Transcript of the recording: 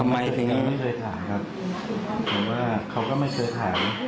ไม่เคยถามครับเพราะว่าเขาก็ไม่เคยถาม